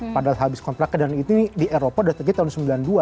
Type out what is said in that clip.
padahal habis kontrol keadaan itu di eropa data data tahun sembilan puluh dua